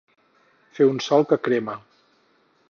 Fer un sol que crema.